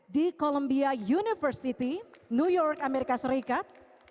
di columbia university new york amerika serikat